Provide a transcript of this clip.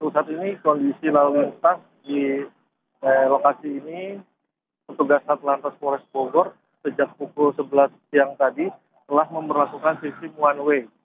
saat ini kondisi lalu lintas di lokasi ini petugas atlantas polres bogor sejak pukul sebelas siang tadi telah memperlakukan sistem one way